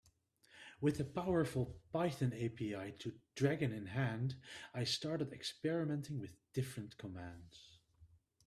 With a powerful Python API to Dragon in hand, I started experimenting with different commands.